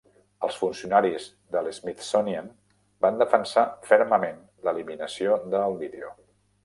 Els funcionaris de l'Smithsonian van defensar fermament l'eliminació de el vídeo.